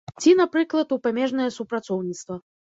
Ці, напрыклад, у памежнае супрацоўніцтва.